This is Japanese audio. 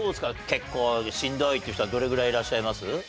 結構しんどいっていう人はどれぐらいいらっしゃいます？